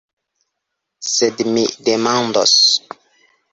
Sed mi demandos.